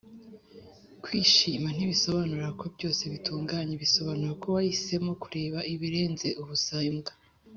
kwishima ntibisobanura ko byose bitunganye. bisobanura ko wahisemo kureba ibirenze ubusembwa.